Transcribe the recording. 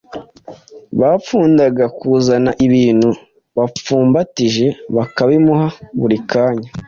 Bamupfundaga: kuzana ibintu bapfumbatije bakabimuha buri kanya